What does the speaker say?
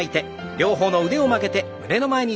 両方の腕を曲げて胸の前に。